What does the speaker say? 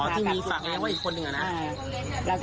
อ๋อที่มีฝากแม่ว่าอีกคนหนึ่งเหรอนะ